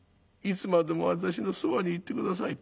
いつまでも私のそばにいて下さい』。